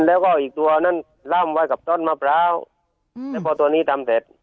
แล้วก็อีกตัวนั้นล่ำไว้กับต้นมะพร้าวแล้วพอตัวนี้ทำเสร็จ